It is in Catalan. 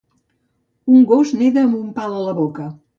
Un gos neda amb un pal a la boca